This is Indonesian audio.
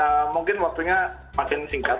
ya mungkin waktunya makin singkat